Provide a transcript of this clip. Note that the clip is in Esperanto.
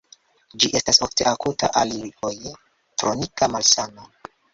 Ĝi estas ofte akuta, alifoje kronika malsano.